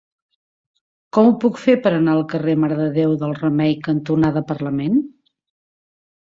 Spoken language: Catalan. Com ho puc fer per anar al carrer Mare de Déu del Remei cantonada Parlament?